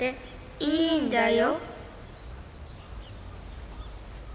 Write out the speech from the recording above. いいんだよ。